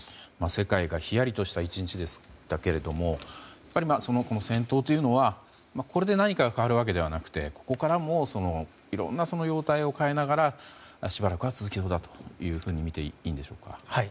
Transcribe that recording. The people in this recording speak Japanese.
世界がヒヤリとした１日でしたけれども、やはり戦争というのは、これで何かが変わるわけではなくてここからもいろんな容体を変えながらしばらくは続きそうだとみていいんでしょうか。